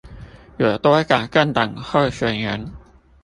有多少政黨候選人